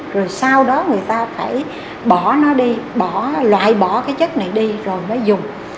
rồi sau đó người ta phải bỏ nó đi bỏ loại bỏ cái chất này đi rồi mới dùng